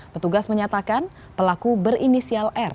petugas menyatakan pelaku berinisial r